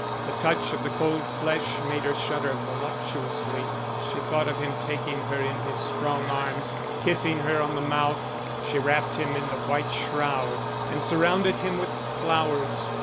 The touch of the cold flesh made her shudder voluptuously she thought of him taking her in his strong arms, kissing her on the mouth. She wrapped him in the white shroud and surrounded him with flowers.